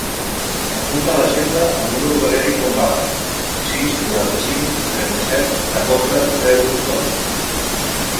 Apunta a l'agenda el número de l'Eric Lombardo: sis, quaranta-cinc, trenta-set, catorze, zero, dos.